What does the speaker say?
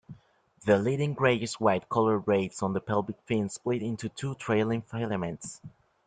The leading greyish-white coloured rays on the pelvic fins split into two trailing filaments.